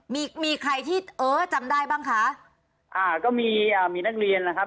มีมีใครที่เออจำได้บ้างคะอ่าก็มีอ่ามีนักเรียนนะครับ